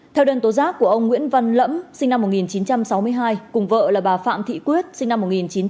theo đơn tố giác của ông nguyễn văn lẫm sinh năm một nghìn chín trăm sáu mươi hai cùng vợ là bà phạm thị quyết sinh năm một nghìn chín trăm tám mươi